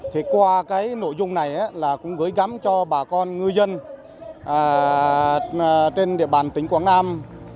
thì qua cái nội dung này là cũng gửi gắm cho bà con ngư dân trên địa bàn tỉnh quảng nam